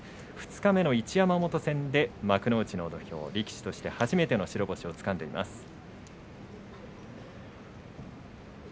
二日目の一山本戦で、幕内土俵力士として初めての白星をつかみました。